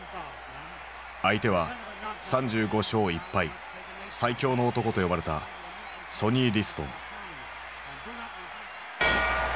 相手は３５勝１敗「最強の男」と呼ばれたソニー・リストン。